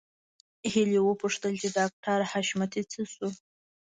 هيلې وپوښتل چې ډاکټر حشمتي څه شو